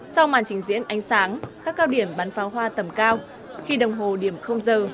sau màn trình diễn ánh sáng các cao điểm bắn pháo hoa tầm cao khi đồng hồ điểm giờ